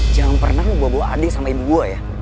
jangan pernah gue bawa bawa adik sama ibu gue ya